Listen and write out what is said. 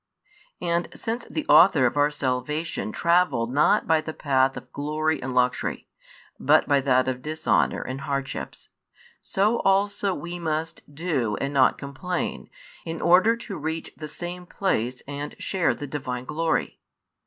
And since the Author of our salvation travelled not by the path of glory and luxury, but by that of dishonour and hardships; so also we must do and not complain, in order to reach the same place and share the Divine glory.